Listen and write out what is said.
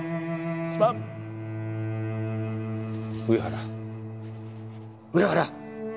上原上原！